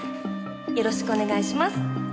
よろしくお願いします。